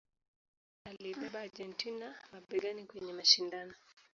Maradona aliibeba Argentina mabegani kwenye mashindano